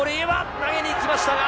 投げにいきましたが。